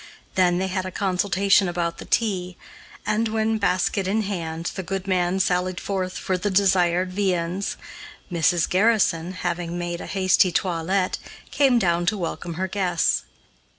Then they had a consultation about the tea, and when, basket in hand, the good man sallied forth for the desired viands, Mrs. Garrison, having made a hasty toilet, came down to welcome her guests.